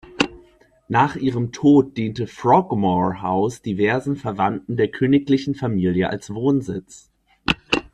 Nach ihrem Tod diente Frogmore House diversen Verwandten der königlichen Familie als Wohnsitz.